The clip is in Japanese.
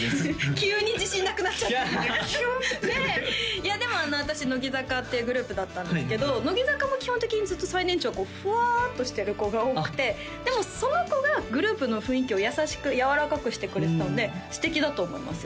急に自信なくなっちゃったキュンっていやでも私乃木坂っていうグループだったんですけど乃木坂も基本的にずっと最年長がふわっとしてる子が多くてでもその子がグループの雰囲気を優しくやわらかくしてくれてたので素敵だと思いますよ